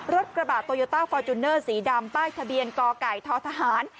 รถกระบะโตโยต้าฟอร์จูเนอร์สีดำป้ายทะเบียนกไก่ททหาร